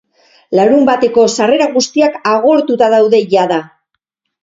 Larunbateko sarrera guztiak agortuta daude jada.